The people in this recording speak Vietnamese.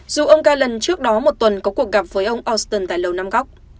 dù ông gallon trước đó một tuần có cuộc gặp với ông austin tại lầu nam góc